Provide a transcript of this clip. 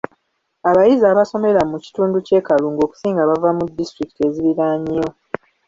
Abayizi abasomera mu kitundu ky’e Kalungu okusinga bava mu disitulikiti eziriraanyeewo